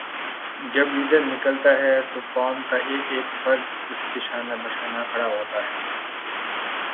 جب لیڈر نکلتا ہے تو قوم کا ایک ایک فرد اسکے شانہ بشانہ کھڑا ہوتا ہے۔